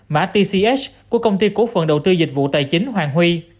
mã tch của công ty cố phận đầu tư dịch vụ tài chính hoàng huy